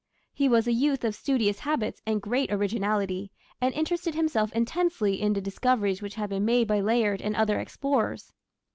He was a youth of studious habits and great originality, and interested himself intensely in the discoveries which had been made by Layard and other explorers.